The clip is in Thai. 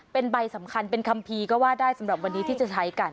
เป็นใบสำคัญเป็นคัมภีร์ก็ว่าได้สำหรับวันนี้ที่จะใช้กัน